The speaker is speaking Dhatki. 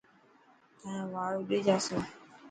تايان وار اوڏي جاسي.